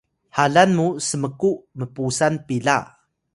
halan mu smku mpusan pila